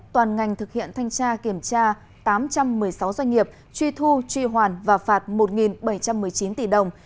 toàn ngành thực hiện thanh tra kiểm tra tám trăm một mươi sáu doanh nghiệp truy thu truy hoàn và phạt một bảy trăm một mươi chín tỷ đồng